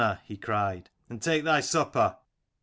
he cried, "and take thy supper.